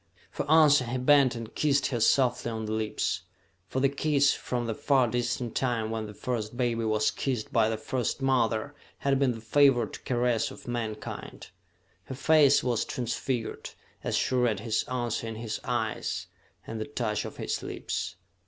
For answer he bent and kissed her softly on the lips for the kiss, from the far distant time when the first baby was kissed by the first mother, had been the favored caress of mankind. Her face was transfigured as she read his answer in his eyes, and the touch of his lips.